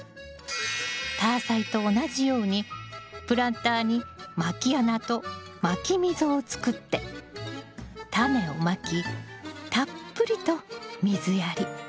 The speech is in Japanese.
タアサイと同じようにプランターにまき穴とまき溝を作ってタネをまきたっぷりと水やり。